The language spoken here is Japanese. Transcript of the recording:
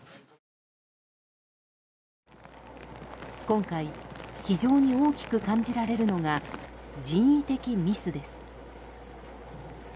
今回非常に大きく感じられるのが人為的ミスです。